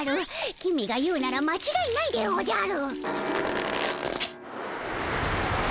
公が言うなら間違いないでおじゃる！